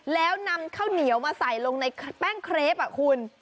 แล้วนำข้าวเหนียวมาใส่ลงในแป้งเครปคุณ